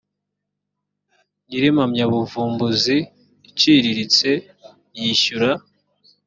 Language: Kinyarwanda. nyir impamyabuvumbuzi iciriritse yishyura